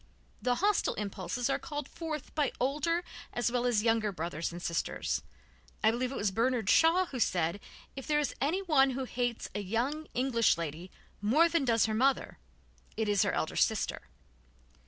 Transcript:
The hostile impulses are called forth by older as well as younger brothers and sisters. I believe it was Bernard Shaw who said: "If there is anyone who hates a young English lady more than does her mother, it is her elder sister."